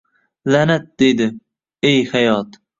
«La’nat, deydi, — ey, hayot!